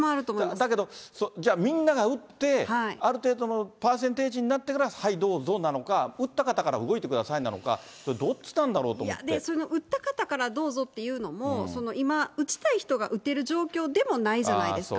だけど、じゃあ、みんなが打って、ある程度のパーセンテージになってからはい、どうぞなのか、打った方から動いてくださいなのか、それ、どっちなんだろうと思打った方からどうぞっていうのも、今、打ちたい人が打てる状況じゃないじゃないですか。